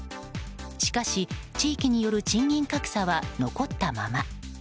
しかし、地域による賃金格差は残ったまま。